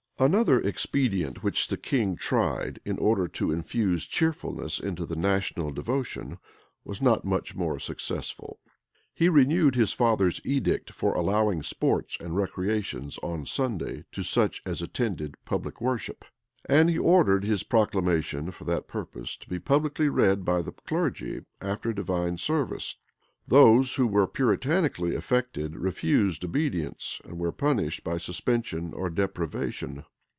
Another expedient which the king tried, in order to infuse cheerfulness into the national devotion, was not much more successful. He renewed his father's edict for allowing sports and recreations on Sunday to such as attended public worship; and he ordered his proclamation for that purpose to be publicly read by the clergy after divine service.[] Those who were Puritanically affected refused obedience, and were punished by suspension or deprivation.